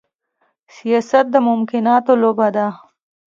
سياست د ممکناتو لوبه ده.